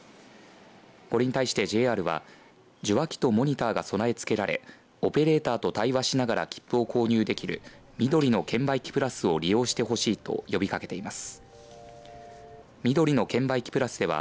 これに対してＪＲは受話器とモニターが備え付けられオペレーターと対話しながら切符を購入できるみどりの券売機プラスを利用してほしいと呼びかけています。